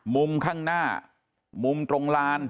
มุมข้างหน้ามุมตรงลาน